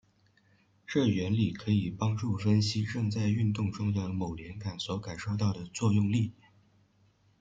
这原理可以帮助分析正在运动中的某连杆所感受到的作用力。